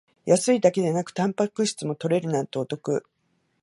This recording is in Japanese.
安いだけでなくタンパク質も取れるなんてお得